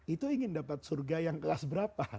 itu ingin dapat surga yang kelas berapa